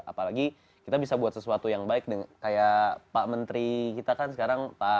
apalagi kita bisa buat sesuatu yang baik kayak pak menteri kita kan sekarang